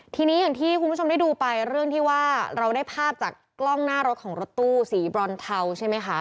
ทีนี้อย่างที่คุณผู้ชมได้ดูไปเรื่องที่ว่าเราได้ภาพจากกล้องหน้ารถของรถตู้สีบรอนเทาใช่ไหมคะ